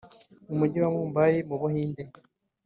mu mujyi wa mumbai mu buhinde